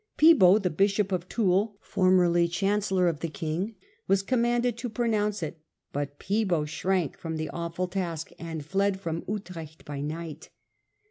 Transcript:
Pibo, the bishop of Toul, formerly chancellor of the king, was commanded to pronounce it ; but Pibo shrank from the awful task, and fled from • Utrecht by night.